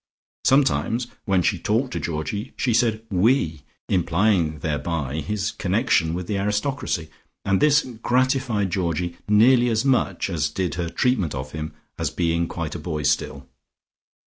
Sometimes when she talked to Georgie she said "we," implying thereby his connection with the aristocracy, and this gratified Georgie nearly as much as did her treatment of him as being quite a boy still.